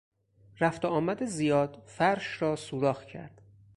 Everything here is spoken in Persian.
رفت و آمد زیاد فرش را سوراخ کرد.